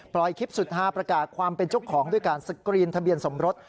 คลิปสุดฮาประกาศความเป็นเจ้าของด้วยการสกรีนทะเบียนสมรส